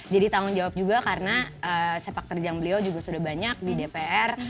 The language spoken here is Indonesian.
jadi tanggung jawab juga karena sepak terjang beliau juga sudah banyak di dpr